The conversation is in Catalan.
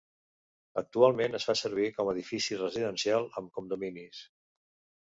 Actualment es fa servir com a edifici residencial amb condominis.